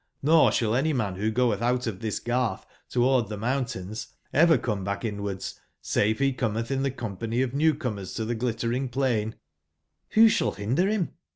]Vor sball any man wbo goetb outof tbis gartb toward tbc moun tains ever come bach inwards save be cometb in tbe company of newcomers to tbe Glittering plain "j^ dbo sball binder bim